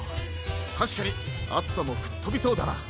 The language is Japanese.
たしかにあつさもふっとびそうだな！